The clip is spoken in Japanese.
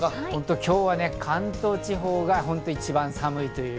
今日は関東地方が一番寒い。